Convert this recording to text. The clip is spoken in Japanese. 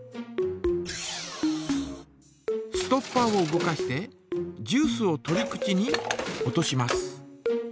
ストッパーを動かしてジュースを取り口に落とします。